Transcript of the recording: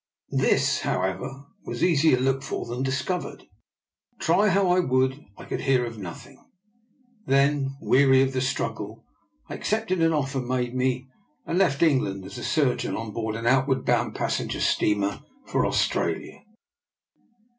This, how ever, was easier looked for than discovered. Try how I would, I could hear of nothing. Then, weary of the struggle, I accepted an offer made me, and left England as surgeon on board an outward bound passenger steam er for Australia.